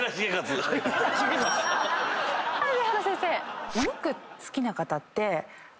はい上原先生。